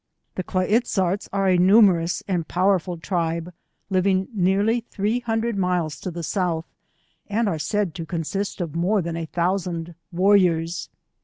The Kla iz zarts are a numerous and powerful tribe, living nearly three hundred miles to the South and are said to consist of more than a thousand war riors.